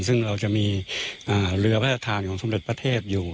ซึ่งเราจะมีเรือพระทางของสำเร็จประเทศอยู่